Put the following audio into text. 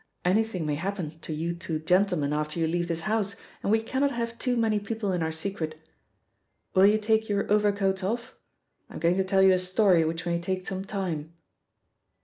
Anything may happen to you two gentlemen after you leave this house, and we cannot have too many people in our secret. Will you take your overcoats off? I am going to tell you a story which may take some time."